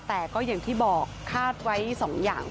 แต่ก็อย่างที่บอกคาดไว้๒อย่าง